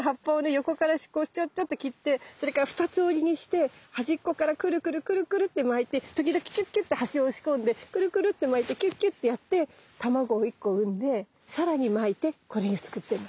横から少しチョッチョッて切ってそれから二つ折りにして端っこからクルクルクルクルって巻いて時々キュッキュッて端押し込んでクルクルって巻いてキュッキュッてやって卵を１個産んで更に巻いてこういうふうに作ってるの。